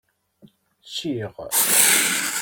Ččiɣ.